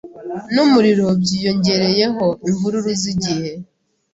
numuriro byiyongereyeho imvururu zigihe.